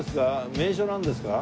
名所なんですか？